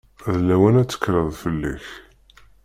D lawan ad tekkreḍ fell-ak.